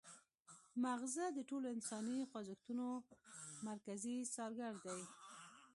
مغزه د ټولو انساني خوځښتونو مرکزي څارګر دي